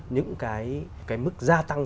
những cái mức gia tăng